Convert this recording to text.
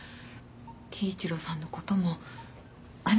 貴一郎さんのこともあなた。